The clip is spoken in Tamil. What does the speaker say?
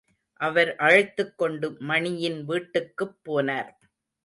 அவர் அழைத்துக் கொண்டு, மணியின் வீட்டுக்குப் போனார்.